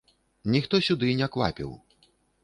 Ніхто сюды не квапіў.